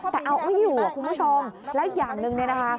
แต่เอาอีนึงคุณผู้ชมและอย่างหนึ่งนะคะ